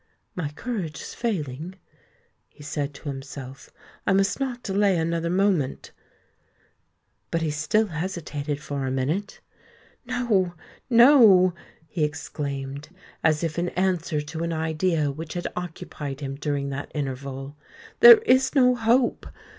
"My courage is failing," he said to himself: "I must not delay another moment." But he still hesitated for a minute! "No—no!" he exclaimed, as if in answer to an idea which had occupied him during that interval; "there is no hope!